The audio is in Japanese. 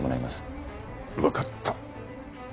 わかった。